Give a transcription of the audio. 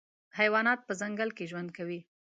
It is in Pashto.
حیوانات په ځنګل کي ژوند کوي.